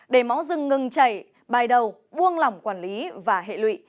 để máu rừng ngừng chảy bài đầu buông lỏng quản lý và hệ lụy